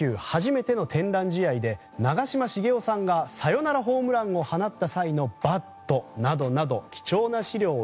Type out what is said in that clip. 初めての天覧試合で長嶋茂雄さんがサヨナラホームランを放った際のバットなどなど貴重な資料